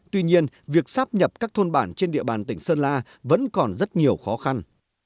tuy nhiên việc sắp nhập các thôn bản trên địa bàn tỉnh sơn la vẫn còn rất nhiều khó khăn